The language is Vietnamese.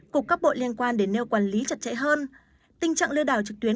cục cấp bộ liên quan đến nêu quản lý chật chẽ hơn tình trạng lưu đảo trực tuyến